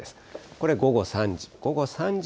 これ、午後３時。